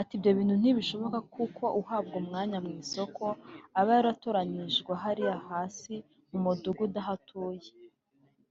Ati “Ibyo bintu ntibishoboka kuko uhabwa umwanya mu isoko aba yaratoranyirijwe hariya hasi mu mudugudu aho atuye